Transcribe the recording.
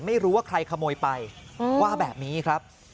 ไม่รู้ว่าใครขโมยไปว่าแบบนี้ครับ